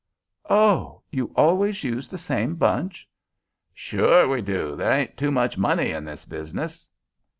"Oh, you always use the same bunch?" "Sure we do. There ain't too much money in this business."